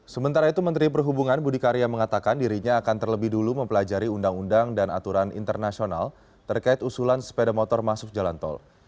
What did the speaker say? sementara itu menteri perhubungan budi karya mengatakan dirinya akan terlebih dulu mempelajari undang undang dan aturan internasional terkait usulan sepeda motor masuk jalan tol